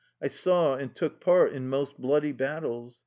I saw and took part in most bloody battles.